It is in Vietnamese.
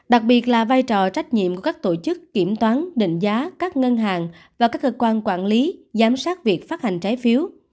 đặc biệt là vai trò trách nhiệm của các tổ chức kiểm toán định giá các ngân hàng và các cơ quan quản lý giám sát việc phát hành trái phiếu